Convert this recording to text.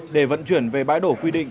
để vận chuyển về bãi đổ quy định